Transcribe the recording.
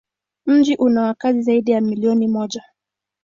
Mji una wakazi zaidi ya milioni moja.